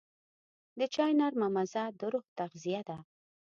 د چای نرمه مزه د روح تغذیه ده.